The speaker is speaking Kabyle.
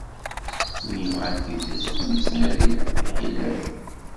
Win ibɣan tidet, ur ittnadi tiḥilet.